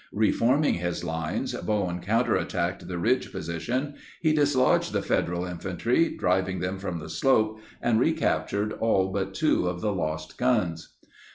Re forming his lines, Bowen counterattacked the ridge position. He dislodged the Federal infantry, driving them from the slope, and recaptured all but two of the lost guns.